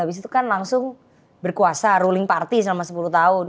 abis itu kan langsung berkuasa ruling party selama sepuluh tahun